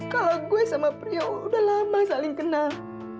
kalau gue sama prio udah lama saling kenal